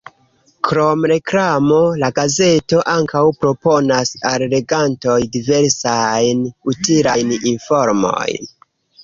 Krom reklamo, la gazeto ankaŭ proponas al legantoj diversajn utilajn informojn.